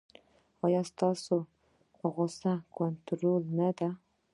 ایا ستاسو غوسه کنټرول نه ده؟